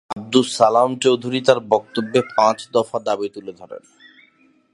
আব্দুস ছালাম চৌধুরী তাঁর বক্তব্যে পাঁচ দফা দাবি তুলে ধরেন।